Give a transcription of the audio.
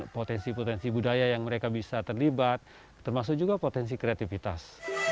potensi potensi budaya yang mereka bisa terlibat termasuk juga potensi kreativitas